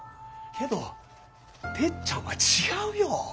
けどてっちゃんは違うよ。